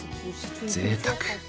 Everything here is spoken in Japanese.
ぜいたく！